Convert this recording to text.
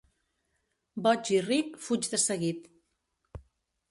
Boig i ric, fuig de seguit.